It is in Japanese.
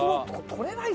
撮れない。